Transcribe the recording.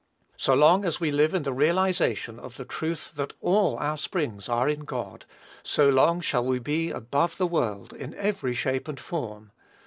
So long as we live in the realization of the truth that all our springs are in God, so long shall we be above the world, in every shape and form.